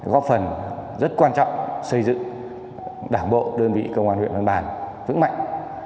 góp phần rất quan trọng xây dựng đảng bộ đơn vị công an huyện văn bàn vững mạnh